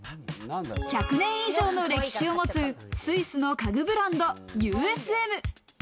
１００年以上の歴史を持つスイスの家具ブランドＵＳＭ。